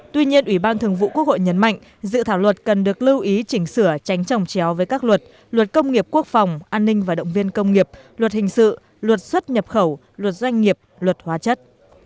tuy nhiên ủy ban thường vụ quốc hội nhấn mạnh dự thảo luật cần được lưu ý chỉnh sửa tránh trồng chéo với các luật luật công nghiệp quốc phòng an ninh và động viên công nghiệp luật hình sự luật xuất nhập khẩu luật doanh nghiệp luật hóa chất